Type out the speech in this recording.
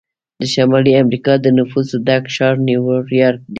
د شمالي امریکا د نفوسو ډک ښار نیویارک دی.